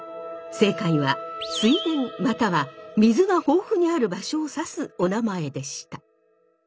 正解は水田または水が豊富にある場所を指すおなまえでした。